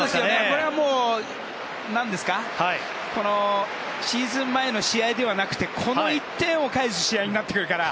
これはもうシーズン前の試合ではなくてこの１点を返す試合になってるから。